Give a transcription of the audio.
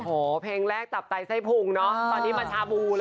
โอ้โหเพลงแรกตับไตไส้พุงเนอะตอนนี้มาชาบูเลย